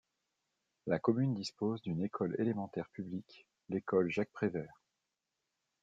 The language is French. La commune dispose d'une école élémentaire publique, l'école Jacques-Prévert.